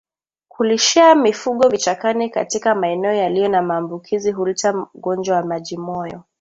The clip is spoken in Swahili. Kulishia mifugo vichakani katika maeneo yaliyo na maambukizi huleta ugonjwa wa majimoyo